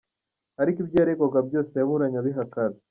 Ariko ibyo yaregwaga byose yaburanye abihakana.